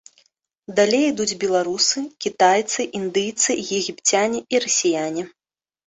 Далей ідуць беларусы, кітайцы, індыйцы, егіпцяне і расіяне.